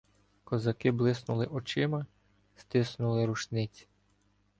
Козаки блиснули очима, стиснули рушниці.